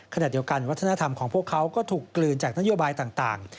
ขณะเดียวกันวัฒนธรรมของพวกเขาก็ถูกกลืนจากนโยบายต่าง